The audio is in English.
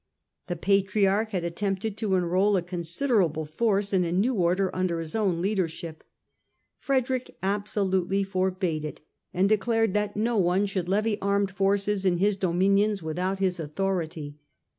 The Patriarch had attempted to enrol a considerable force in a new Order under his own leadership. Frederick absolutely forbade it and declared that no one should THE EXCOMMUNICATE CRUSADER 101 levy armed forces in his dominions without his authority.